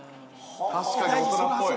◆確かに大人っぽい。